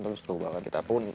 terus seru banget